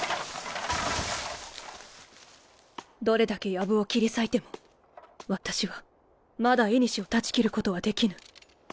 どれだけ藪を切り裂いても私はまだ縁を断ち切ることはできぬ。